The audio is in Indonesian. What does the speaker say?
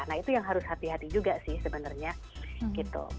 nah itu yang harus hati hati juga sih sebenarnya gitu